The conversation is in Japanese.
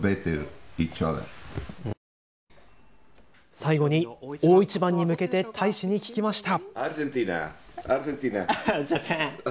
最後に大一番に向けて大使に聞きました。